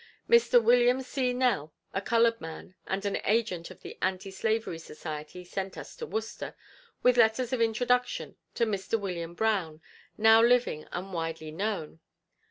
Mr. William C. Nell, a colored man, and an agent of the Anti Slavery Society sent us to Worcester with letters of introduction to Mr. William Brown, now living and widely known.